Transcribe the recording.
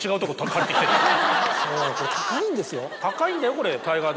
そうこれ高いんですよ。